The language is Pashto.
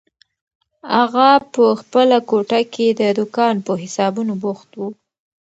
اغا په خپله کوټه کې د دوکان په حسابونو بوخت و.